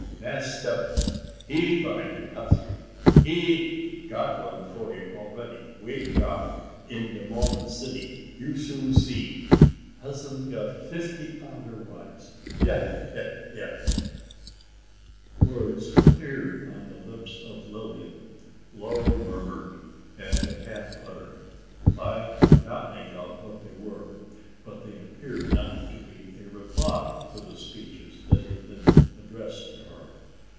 Mass' Stebbins he find you husban' he got one for you a'ready waitin' dar in de Mormon city; you soon see! Husban' got fifty odder wife! Yah, yah, yah!" Words appeared upon the lips of Lilian low murmured and but half uttered. I could not make out what they were; but they appeared not to be a reply to the speeches that had been addressed to her.